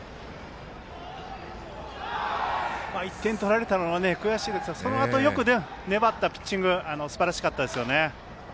１点取られたのは悔しいですがそのあと、よく粘ったピッチングすばらしかったですよね。